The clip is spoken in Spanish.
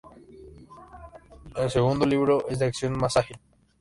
El segundo libro es de acción más ágil.